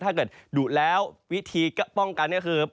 ถ้าเกิดดูดแล้ววิธีป้องกันเนี่ยคือ